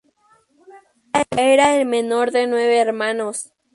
Era el menor de nueve hermanos.